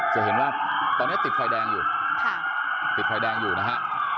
จะเห็นว่าตอนนี้ติดไฟแดงอยู่ติดไฟแดงอยู่นะฮะ